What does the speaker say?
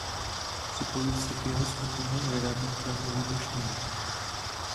Připojí se k jeho skupině a vyrábí pro ně výbušniny.